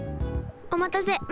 おまたせ。